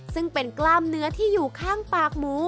ซึ่งเป็นกล้ามเนื้อที่อยู่ข้างปากหมู